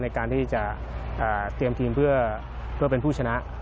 ในการที่จะเตรียมทีมเพื่อเป็นผู้ชนะ